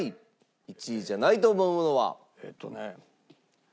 １位じゃないと思うものは？えっとね。